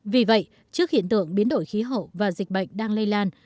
vì vậy trước hiện tượng biến đổi khí hậu và dịch bệnh đang lây lan